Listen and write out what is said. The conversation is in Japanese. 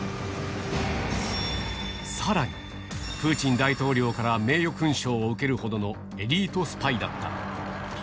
さらに、プーチン大統領から名誉勲章を受けるほどのエリートスパイだった。